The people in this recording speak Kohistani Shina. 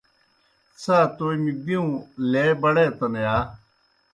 څھا تومیْ بِیؤں لے بڑیتَن یا؟